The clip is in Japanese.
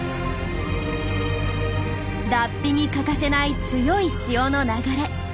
脱皮に欠かせない強い潮の流れ。